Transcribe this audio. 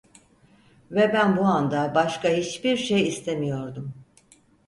Ve ben bu anda başka hiçbir şey istemiyordum.